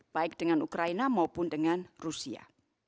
baik dengan ukraina maupun dengan rusia